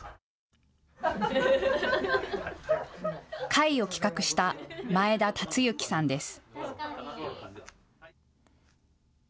会を企画した前田達之さんです。